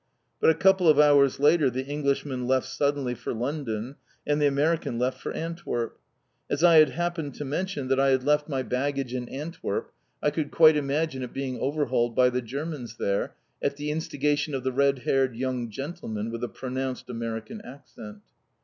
But a couple of hours later the Englishman left suddenly for London, and the American left for Antwerp. As I had happened to mention that I had left my baggage in Antwerp, I could quite imagine it being overhauled by the Germans there, at the instigation of the red haired young gentleman with the pronounced American accent.